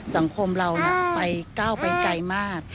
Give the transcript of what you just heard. สังคมเราไปก้าวไปไกลมาก